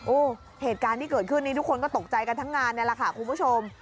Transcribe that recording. โอ้โหเหตุการณ์ที่เกิดขึ้นนี้ทุกคนก็ตกใจกันทั้งงานนี่แหละค่ะคุณผู้ชม